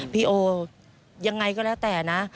พี่โอยังไงก็แล้วแต่นะ